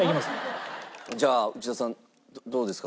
じゃあ内田さんどうですか？